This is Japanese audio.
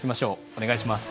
お願いします。